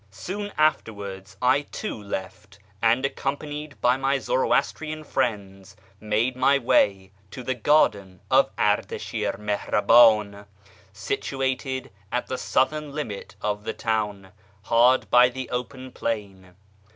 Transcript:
Soon afterwards I too left, and, accompanied by my Zoroastrian friends, made my way to the garden of Ardashi'r Mihrabiin, situated at the southern limit of the town, hard by the open plain.